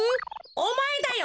おまえだよ！